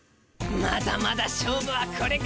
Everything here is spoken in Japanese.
まだまだ勝負はこれから。